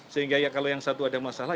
sehingga kalau yang satu ada yang berubah